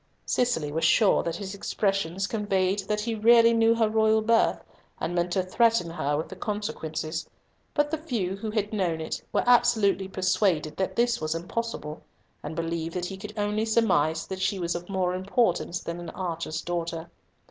Cicely was sure that his expressions conveyed that he really knew her royal birth, and meant to threaten her with the consequences, but the few who had known it were absolutely persuaded that this was impossible, and believed that he could only surmise that she was of more importance than an archer's daughter.